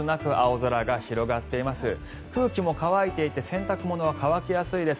空気も乾いていて洗濯物は乾きやすいです。